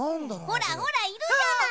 ほらほらいるじゃない。